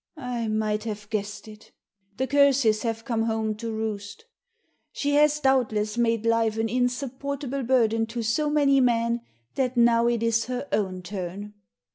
" I might have guessed it The curses have come home to roost She has, doubtless, made life an in supportable burden to so many men that now it is her own turn."